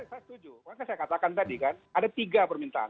saya setuju makanya saya katakan tadi kan ada tiga permintaan